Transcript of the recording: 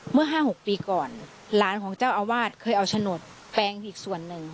เมื่อ๕๖ปีก่อนหลานของเจ้าอาวาสเคยเอาโฉนดแปลงอีกส่วนหนึ่ง